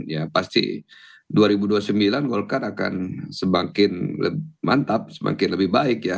ya pasti dua ribu dua puluh sembilan golkar akan semakin mantap semakin lebih baik ya